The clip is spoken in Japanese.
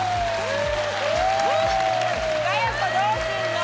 佳代子どうすんの？